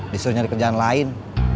disuruh nyari kerjaan lain